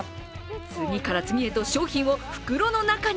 次から次へと商品を袋の中に。